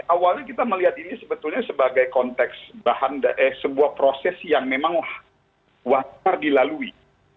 awalnya kita melihat ini sebetulnya sebagai konteks sebuah proses yang memang wajar dilalui